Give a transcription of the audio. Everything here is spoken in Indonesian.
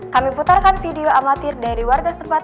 kami putarkan video amatir dari warga setempat